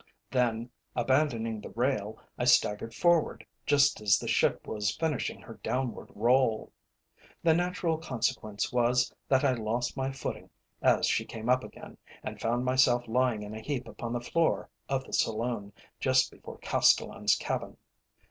Then, abandoning the rail, I staggered forward, just as the ship was finishing her downward roll. The natural consequence was that I lost my footing as she came up again, and found myself lying in a heap upon the floor of the saloon, just before Castellan's cabin.